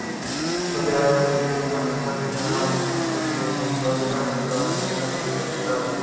Saudi আরবের খ্যাতিমান সাংবাদিক জামাল খাশোগির ভাষ্য, ইরান মধ্যপ্রাচ্য নিয়ন্ত্রণের চেষ্টা চালাচ্ছে।